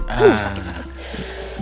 lalu lihat aku